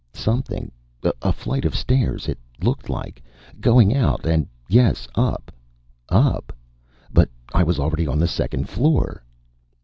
Something. A flight of stairs, it looked like, going out and, yes, up. Up? But I was already on the second floor.